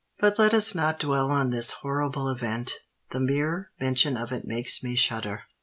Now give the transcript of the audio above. But let us not dwell on this horrible event: the mere mention of it makes me shudder."